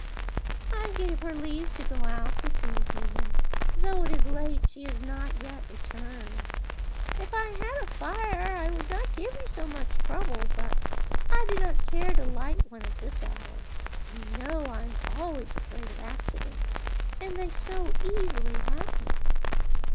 "I gave her leave to go out this evening, and though it is late she has not yet returned. If I had a fire, I would not give you so much trouble, but I do not care to light one at this hour. You know I am always afraid of accidents, and they so easily happen!"